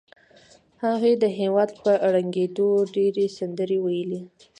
هغې د هېواد په ړنګېدو ډېرې سندرې وویلې